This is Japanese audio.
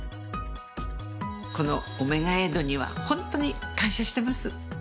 このオメガエイドにはホントに感謝してます。